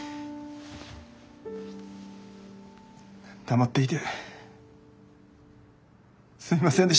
黙っていてすいませんでした。